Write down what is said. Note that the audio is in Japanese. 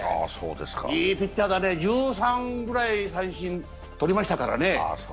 いいピッチャーだね、１３ぐらい三振取りましたからね。